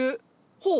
ほう。